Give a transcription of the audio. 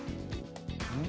うん？